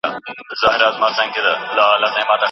د واک سوله ييز لېږد د سياسي پرمختګ تر ټولو لويه نښه ده.